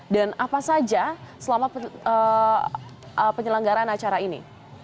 dan apa saja selama penyelenggaran acara ini